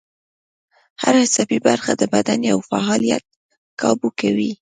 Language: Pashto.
هر عصبي برخه د بدن یو فعالیت کابو کوي